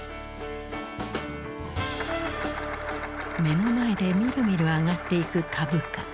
目の前でみるみる上がっていく株価。